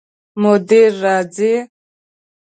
مدیر راځي؟